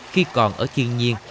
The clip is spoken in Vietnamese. khi còn ở thiên nhiên